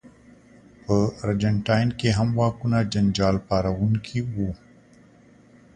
په ارجنټاین کې هم واکونه جنجال پاروونکي وو.